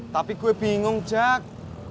tapi gue bingung jak